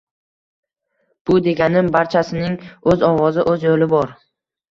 Bu deganim – barchasining o‘z ovozi, o‘z yo‘li bor.